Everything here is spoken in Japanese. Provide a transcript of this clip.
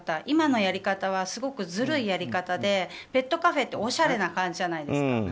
今のやり方はすごくずるいやり方でペットカフェっておしゃれな感じじゃないですか。